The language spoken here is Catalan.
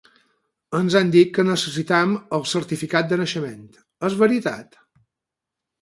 Ens han dit que necessitem el certificat de naixement, és veritat?